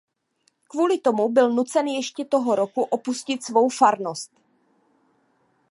Kvůli tomu byl nucen ještě toho roku opustit svou farnost.